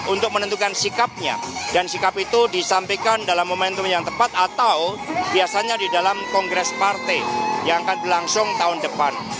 untuk menentukan sikapnya dan sikap itu disampaikan dalam momentum yang tepat atau biasanya di dalam kongres partai yang akan berlangsung tahun depan